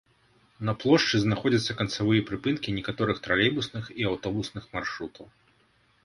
На плошчы знаходзяцца канцавыя прыпынкі некаторых тралейбусных і аўтобусных маршрутаў.